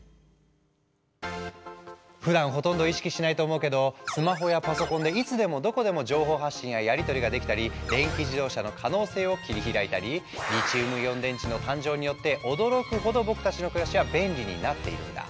ふだんほとんど意識しないと思うけどスマホやパソコンでいつでもどこでも情報発信ややり取りができたり電気自動車の可能性を切り開いたりリチウムイオン電池の誕生によって驚くほど僕たちの暮らしは便利になっているんだ。